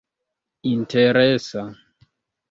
interesa